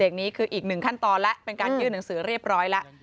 อย่างนี้คืออีกหนึ่งขั้นตอนแล้วเป็นการยื่นหนังสือเรียบร้อยแล้ว